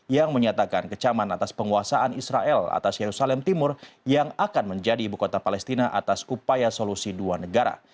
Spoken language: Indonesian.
yang menyatakan kecaman atas penguasaan israel atas yerusalem timur yang akan menjadi ibu kota palestina atas upaya solusi dua negara